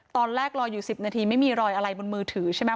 รออยู่๑๐นาทีไม่มีรอยอะไรบนมือถือใช่ไหม